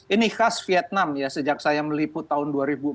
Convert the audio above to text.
ini khas vietnam ya sejak saya meliput tahun dua ribu empat belas